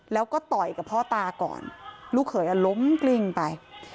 แล้วก็ต่อยกับพ่อตาก่อนลูกเขยล้มกลิ้งไป